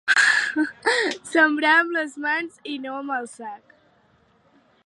Sembra amb les mans i no amb el sac.